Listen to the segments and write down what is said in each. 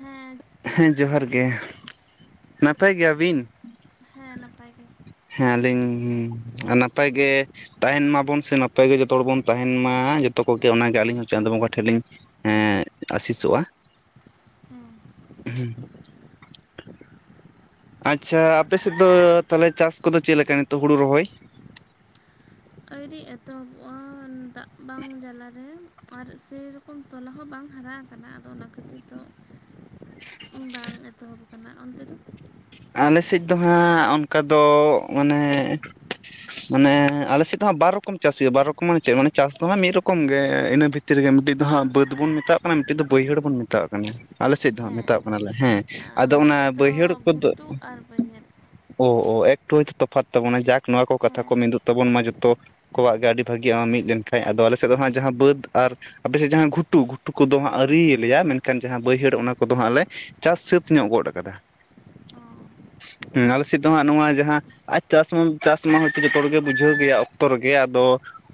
ᱦᱮᱸ ᱦᱮᱸ, ᱡᱚᱦᱟᱨ ᱜᱮ᱾ ᱱᱟᱯᱟᱭ ᱜᱮᱹᱭᱟ ᱵᱤᱱ? ᱦᱮᱸ, ᱱᱟᱯᱟᱭ ᱜᱮ᱾ ᱦᱮᱸᱞᱤᱧ ᱱᱟᱯᱟᱭ ᱜᱮ ᱛᱟᱦᱮᱱ ᱢᱟᱵᱚᱱ ᱥᱮ ᱱᱟᱯᱟᱭ ᱜᱮ ᱡᱚᱛᱚ ᱦᱚᱲ ᱵᱚᱱ ᱛᱟᱦᱮᱱ ᱢᱟ᱾ ᱡᱚᱛᱚ ᱠᱚᱜᱮ, ᱚᱱᱟᱜᱮ ᱟᱹᱞᱤᱧ ᱦᱚᱸ ᱪᱟᱸᱫᱚ ᱵᱚᱸᱜᱟ ᱴᱷᱮᱜ ᱞᱤᱧ ᱮᱸᱜ ᱟᱥᱤᱥᱚᱜᱼᱟ᱾ ᱦᱮᱸ᱾ ᱩᱸ, ᱦᱩᱸ᱾ ᱟᱪᱪᱷᱟ, ᱟᱯᱮᱥᱮᱜ ᱫᱚ ᱛᱟᱞᱮ ᱪᱟᱥ ᱠᱚᱫᱚ ᱪᱮᱜ ᱞᱮᱠᱟ, ᱱᱤᱛᱚᱜ ᱦᱩᱲᱩ ᱨᱚᱦᱚᱭ? ᱟᱭᱨᱤ ᱮᱛᱚᱵᱚᱜᱼᱟ, ᱫᱟᱜ ᱵᱟᱝ ᱡᱟᱞᱟᱨᱮ! ᱟᱨ ᱥᱮᱹᱨᱚᱠᱚᱢ ᱛᱚᱞᱟ ᱦᱚᱸ ᱵᱟᱝ ᱦᱟᱨᱟ ᱟᱠᱟᱱᱟ᱾ ᱟᱫᱚ ᱚᱱᱟᱠ ᱠᱟᱹᱛᱤ ᱫᱚ ᱵᱟᱝ ᱮᱛᱚᱦᱚᱵ ᱟᱠᱟᱱᱟ᱾ ᱚᱱᱛᱮ ᱫᱚ? ᱟᱞᱮ ᱥᱮᱡ ᱫᱚ ᱦᱟᱸᱜ, ᱚᱱᱠᱟ ᱫᱚ ᱢᱟᱱᱮ ᱢᱟᱱᱮ ᱟᱞᱮ ᱥᱮᱜ ᱫᱚᱦᱟᱸᱜ ᱵᱟᱨ ᱨᱚᱠᱚᱢ ᱪᱟᱥ ᱦᱩᱭᱩᱜᱼᱟ, ᱵᱟᱨ ᱨᱚᱠᱚᱢ ᱢᱟᱱᱮ ᱪᱮᱜ, ᱢᱟᱱᱮ ᱪᱟᱥ ᱫᱚ ᱦᱟᱸᱜ ᱢᱤᱫ ᱨᱚᱠᱚᱢ ᱜᱮ᱾ ᱤᱱᱟᱹ ᱵᱷᱤᱛ- -ᱛᱤᱨ ᱨᱮᱜᱮ ᱴᱤᱜ ᱫᱚ ᱦᱟᱸᱜ ᱵᱟᱹᱫᱽ ᱵᱚᱱ ᱢᱮᱛᱟᱜ ᱠᱟᱱᱟ, ᱢᱤᱫᱴᱤᱜ ᱫᱚ ᱵᱟᱹᱭᱦᱟᱹᱲ ᱵᱚᱱ ᱢᱮᱛᱟᱣᱟᱜ ᱠᱟᱱᱟ, ᱟᱞᱮ ᱥᱮᱫ ᱫᱚ ᱦᱟᱸᱜ ᱦᱮᱸ ᱢᱮᱛᱟᱣᱟᱜ ᱠᱟᱱᱟᱞᱮ᱾ ᱦᱮᱸ, ᱟᱨ ᱟᱫᱚ ᱚᱱᱟ ᱱᱚᱛᱮ ᱫᱚ ᱵᱟᱹᱭᱦᱟᱹᱲ ᱜᱷᱩᱴᱩ ᱟᱨ ᱵᱟᱹᱭᱦᱟᱹᱨ᱾ ᱚ-ᱚ ᱮᱠᱴᱩ ᱦᱚᱭᱛ ᱛᱚᱯᱷᱟᱫ ᱛᱟᱵᱚᱱᱟ, ᱡᱟᱠ ᱱᱚᱣᱟ ᱠᱚ ᱠᱟᱛᱷᱟ ᱠᱚ ᱦᱮᱸ ᱢᱤᱫᱚᱜ ᱛᱟᱵᱚᱱ ᱢᱟ, ᱡᱚᱛᱚ ᱠᱚᱣᱟᱜ ᱜᱮ ᱟᱹᱰᱤ ᱵᱷᱟᱹᱜᱤᱜᱼᱟ ᱟ ᱢᱤᱜ ᱞᱮᱱᱠᱷᱟᱡ, ᱟᱫᱚ ᱟᱞᱮᱥᱮᱜ ᱫᱚ ᱦᱟᱸᱜ ᱡᱟᱦᱟᱸ ᱵᱟᱹᱫᱽ ᱟᱨ ᱟᱯᱮᱥᱮᱜ ᱡᱟᱦᱟᱸ ᱜᱷᱩᱴᱩ, ᱜᱷᱩᱴᱩ ᱠᱚᱫᱚ ᱦᱟᱸᱜ ᱟᱹᱨᱤᱭᱮᱞᱮᱭᱟ, ᱢᱮᱱᱠᱷᱟᱱ ᱡᱟᱦᱟᱸ ᱵᱟᱹᱭᱦᱟᱹᱲ ᱚᱱᱟ ᱠᱚᱫᱚ ᱦᱟᱸᱜ ᱞᱮ ᱪᱟᱥ ᱥᱟᱹᱛᱧᱚᱜ ᱜᱚᱫ ᱟᱠᱟᱫᱟ᱾ ᱚ ᱦᱩᱸ, ᱟᱞᱮ ᱥᱮᱫ ᱫᱚ ᱦᱟᱸᱜ ᱱᱚᱣᱟ ᱡᱟᱦᱟᱸ ᱟᱡ ᱪᱟᱥ ᱢᱟᱢ, ᱪᱟᱥ ᱢᱟ ᱦᱚᱭᱛᱳ ᱡᱚᱛᱚ ᱦᱚᱲᱜᱮ ᱵᱩᱡᱷᱟᱹᱣ ᱜᱮᱭᱟ ᱚᱠᱛᱚ ᱨᱮᱜᱮ, ᱟᱫᱚ